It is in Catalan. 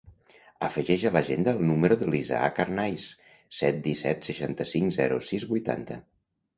Afegeix a l'agenda el número de l'Isaac Arnaiz: set, disset, seixanta-cinc, zero, sis, vuitanta.